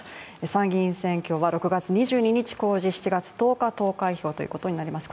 参議院選挙は６月２２日公示、７月１０日投開票ということになります。